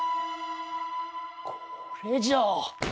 これじゃ！